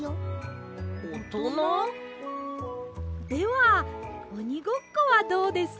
ではおにごっこはどうです？